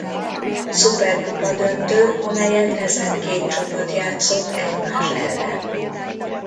Szuperkupa-döntő amelyet ezen két csapat játszott egymás ellen.